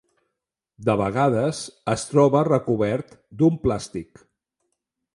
De vegades es troba recobert d'un plàstic.